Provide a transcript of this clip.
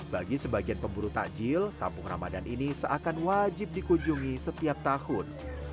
bagi sebagian pemburu takjil kampung ramadhan ini seakan wajib dikunjungi setiap tahun